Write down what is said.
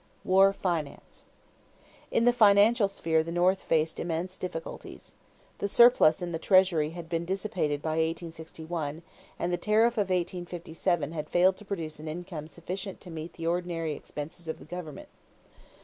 =War Finance.= In the financial sphere the North faced immense difficulties. The surplus in the treasury had been dissipated by 1861 and the tariff of 1857 had failed to produce an income sufficient to meet the ordinary expenses of the government.